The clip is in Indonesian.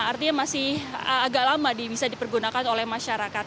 artinya masih agak lama bisa dipergunakan oleh masyarakat